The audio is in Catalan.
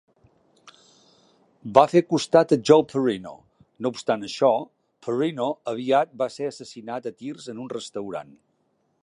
Va fer costat a Joe Parrino; no obstant això, Parrino aviat va ser assassinat a tirs en un restaurant.